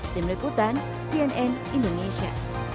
tim lekutan cnn indonesia